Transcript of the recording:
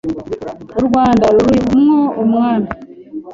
U Rwanda ruri mwo Umwami